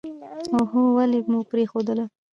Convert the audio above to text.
اوهووو ولې مو پرېښودله.